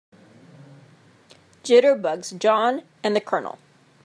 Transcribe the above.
Jitterbugs JOHN and the COLONEL.